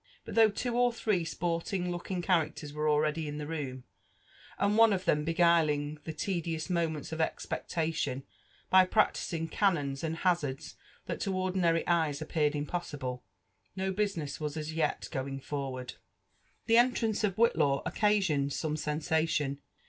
But though two or thre« ^porling^ldoking characters were already tn the room, and one of them tNDgoillng the leilidoi moments of eipeotalion by practising carnipoa and hazards that to ordinary eyes appeared impossible, no business wal tl yet g6ing forward. ' The entrance of Whitlaw occasioned some aensation.